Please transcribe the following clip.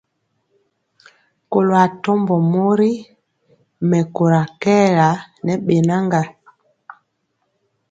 Kɔlo atɔmbɔ mori mɛkóra kɛɛla ne bɛnaga.